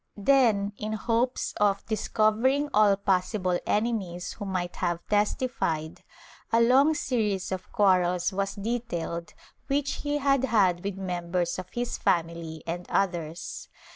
Then, in hopes of discovering all possible enemies who might have testified, a long series of quarrels was detailed which he had had with members of his family and others.